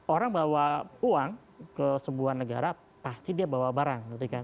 orang bawa uang ke sebuah negara pasti dia bawa barang